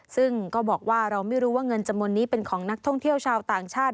ซึ่งก็บอกว่าเราไม่รู้ว่าเงินจำนวนนี้เป็นของนักท่องเที่ยวชาวต่างชาติ